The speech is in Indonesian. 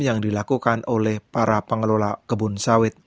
yang dilakukan oleh para pengelola kebun sawit